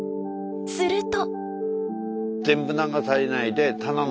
すると。